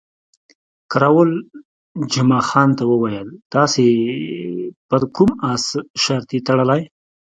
کراول جمعه خان ته وویل، تاسې پر کوم اس شرط تړلی؟